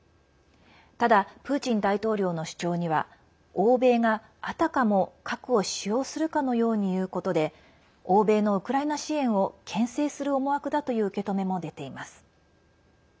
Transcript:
ただ、プーチン大統領の主張には欧米があたかも核を使用するかのように言うことで欧米のウクライナ支援をけん制する思惑だという受け止めも出ています。